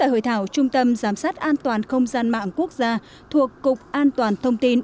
tại hội thảo trung tâm giám sát an toàn không gian mạng quốc gia thuộc cục an toàn thông tin